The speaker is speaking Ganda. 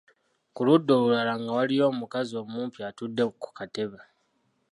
Ku ludda olulala nga waliyo omukazi omumpi atudde ku katebe.